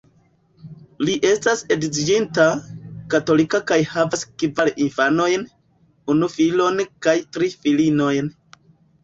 Li estas edziĝinta, katolika kaj havas kvar infanojn, unu filon kaj tri filinojn.